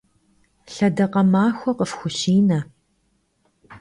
Лъэдакъэ махуэ къыфхущинэ!